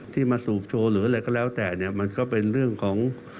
ที่มาสูบโชว์หรืออะไรก็แล้วแต่เนี่ยมันก็เป็นเรื่องของ